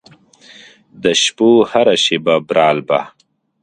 د شپو هره شیبه برالبه